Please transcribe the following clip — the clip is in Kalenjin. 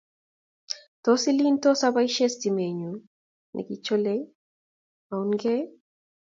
Tos iliin ile tos aboishee simet nyu nekichilei aunikei?